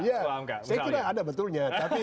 ya saya kira ada betulnya